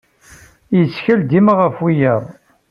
Yettkal dima ɣef wiyaḍ.